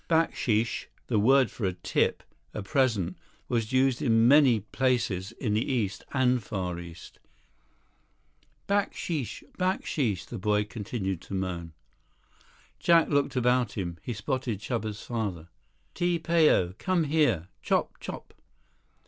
Baksheesh, the word for a tip, a present, was used in many places in the East and Far East. "Baksheesh! Baksheesh!" the boy continued to moan. Jack looked about him. He spotted Chuba's father. "Ti Pao. Come here. Chop! Chop!"